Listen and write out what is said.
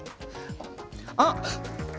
あっ！